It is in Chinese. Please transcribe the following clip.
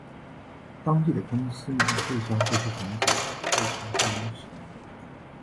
当地的公司免费地将这些屋子改造成办公室。